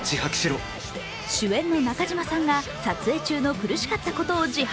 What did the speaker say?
主演の中島さんが撮影中の苦しかったことを自白。